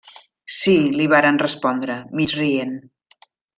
-Sí…- li varen respondre, mig rient.